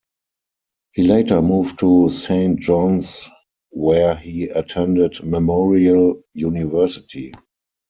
He later moved to Saint John's where he attended Memorial University.